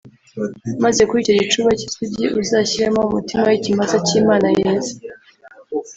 maze muri icyo gicuba cy’isugi uzashyiremo umutima w’ikimasa cy’imana yeze